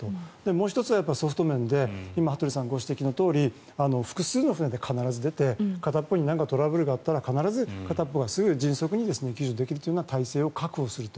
もう１つはソフト面で今、羽鳥さんがご指摘のように複数の船で必ず出て片方にトラブルがあったら必ず片方が迅速に救助できる体制を確保する。